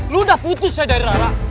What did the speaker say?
lu udah putus saya dari rara